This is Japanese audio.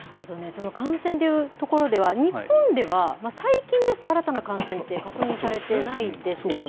その感染というところでは、日本では、最近ですと、新たな感染って確認されてないですよね。